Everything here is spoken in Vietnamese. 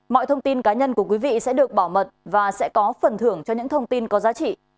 mọi thông tin cá nhân của quý vị sẽ được bảo mật và sẽ có phần thưởng cho những thông tin có giá trị